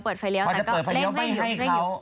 พอจะเปิดไฟเลี้ยวไม่ให้เค้า